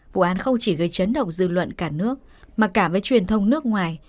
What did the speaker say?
vụ án không chỉ gây chấn động dư luận cả nước mà cả với truyền thông nước ngoài